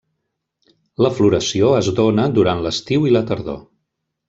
La floració es dóna durant l'estiu i la tardor.